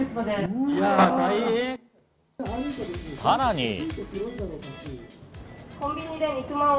さらに。